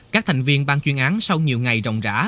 các thành viên ban chuyên án sau nhiều ngày rộng rã